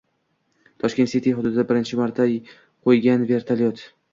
Tashkent City hududiga birinchi marta qo‘ngan vertolyot